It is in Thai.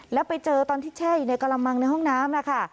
แล้วไปเจอตอนที่แช่อยู่ในกระมังในห้องน้ำนะคะ